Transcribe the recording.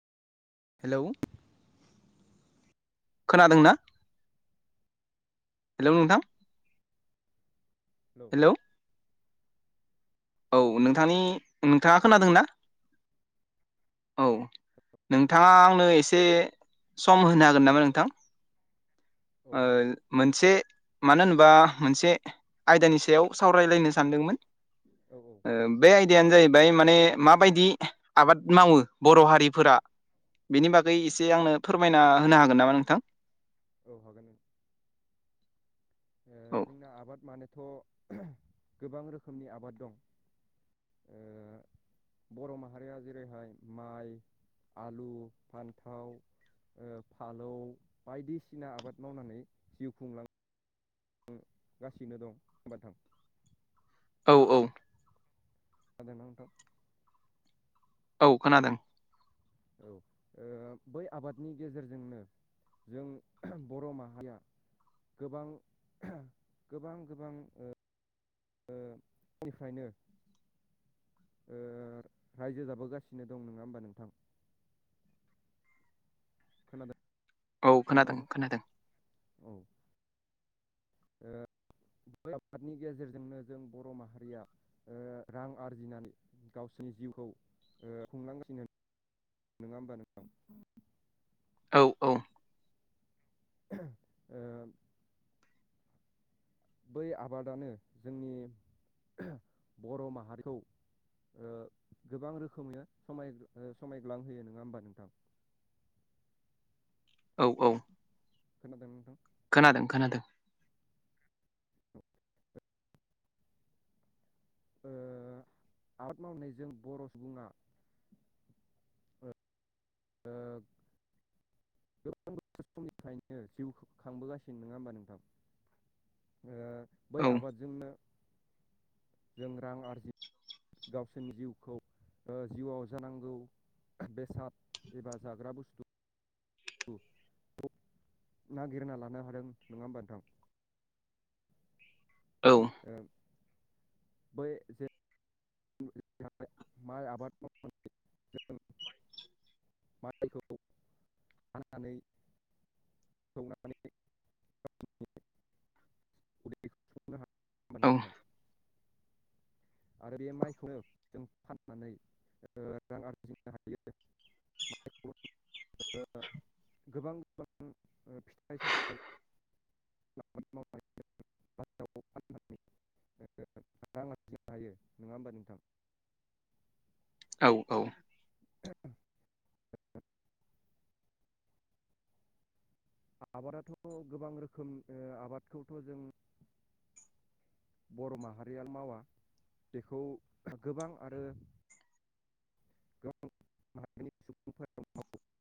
Hello खोनादों ना hello नोंथां हेलौ हेलौ औ नोंथांनि नोंथाङा खोनादों ना औ नोंथाङा आंनो एसे सम होनो हागोन नामा नोंथां औ ओ हागोन नोंथां मोनसे मानो होनोबा मोनसे आयदानि सायाव सावरायलायनो सानदोंमोन औ औ ओ नोंथां बे आयदायानो जाहैबाय माने माबायदि आबाद मावो बर' हारिफोरा बेनि बागै एसे आंनो फोरमायना होनो हागोन नामा नोंथां औ हागोन ओ जोंना आबाद मानेथ' गोबां रोखोमनि आबाद दं ओ बर' माहारिया जेरैहाय माइ आलु फान्थाव ओ फालौ बायदिसिना आबाद मावनानै जिउ खुंलां गासिनो दं होनबा थां औ औ खोनादों नोंथां औ खोनादों औ बै आबादनि गेजेरजोंनो जों बर' माहारिया गोबां गोबां गोबां ओ निफ्रायनो ओ रायजो जाबोगासिनो दं नङा होमबा नोंथां खोनादों औ खोनादों नोंथां खोनादों औ ब आफादनि गेजेरजोंनो जों बर' माहारिया ओ रां आरजिनानै गावसोरनि जिउखौ ओ खुंलांगासिनो होनो नङा होमबा नोंथां औ औ ह ओ बै आबादानो जोंनि बर' माहारिखौ गोबां रोखोमै सम समायग्लांहोयो नङा होमबा नोंथां औ औ खोनादोंमोन नोंथां खोनादों खोनादों आबाद मावनायजों बर' सुबुङा [unintelligible] गोबां समनिफ्रायनो जिउ खांबोगासिनो ननोङा होमबा नोंथां? बै औ आबादजोंनो जों रां आरजि गावसोरनि जिउखौ जिउआव जानांगौ बेसाद एबा जाग्रा बुस्थु नागिरना लानो हादों नङा हबा नोंथां औ ओ बै ज माइ आबाद मावनानै जों माइखौ फाननानै उदैखौ सुफुंनो हायो नङा होमबा औ नोंथां आरो बे माइखौनो जों फाननानै रां आरजिनो हायो। [inaudible] माइखौ गोबां गोबां फिथाइ सामथाइ आबाद मावनानै बाजाराव थांनो हायो नङा होमबा नोंथां औ औ आबादाथ' गोबां रोखोम आबादखौथ' जों बर' माहारिया मावा बेखौ गोबां आरो गोबां माहारिनि सुबुंफोर